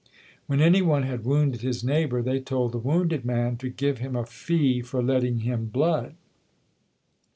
When any one had wounded his neighbour, they told the wounded man to "give him a fee for letting him blood."